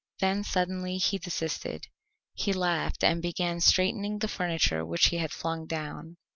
Then suddenly he desisted. He laughed and began straightening the furniture which he had flung down.